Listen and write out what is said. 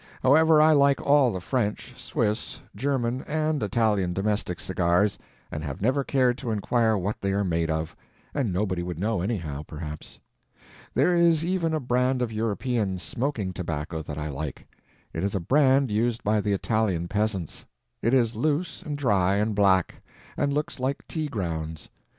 However, I like all the French, Swiss, German, and Italian domestic cigars, and have never cared to inquire what they are made of; and nobody would know, anyhow, perhaps. There is even a brand of European smoking tobacco that I like. It is a brand used by the Italian peasants. It is loose and dry and black, and looks like tea grounds.